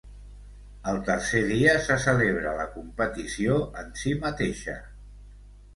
El tercer dia se celebra la competició en si mateixa.